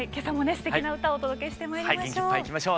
すてきな歌をお届けしてまいりましょう。